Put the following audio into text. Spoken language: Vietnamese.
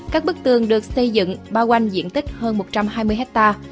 các bức tường được xây dựng bao quanh diện tích hơn một trăm hai mươi hectare